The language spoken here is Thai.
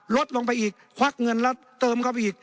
ลดลงไปอีกควักเงินแล้วเติมเข้าไปอีก